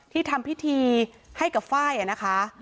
ที่ทำพิธีให้กับฝ้ายอ่ะนะคะ